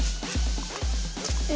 え？